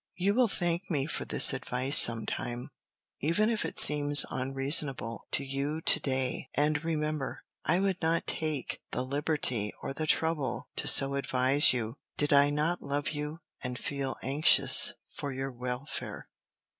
You will thank me for this advice sometime, even if it seems unreasonable to you to day, and remember, I would not take the liberty or the trouble to so advise you, did I not love you and feel anxious for your welfare.